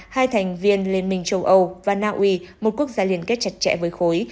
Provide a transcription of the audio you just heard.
hai thành viên liên minh châu âu và naui một quốc gia liên kết chặt chẽ với khối